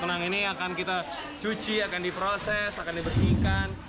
kenang ini akan kita cuci akan diproses akan dibersihkan